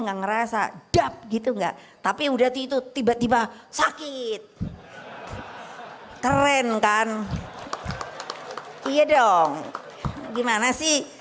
nggak ngerasa dap gitu enggak tapi udah itu tiba tiba sakit keren kan iya dong gimana sih